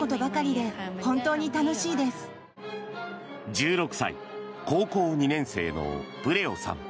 １６歳高校２年生のプレオさん。